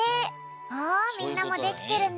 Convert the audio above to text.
おみんなもできてるね。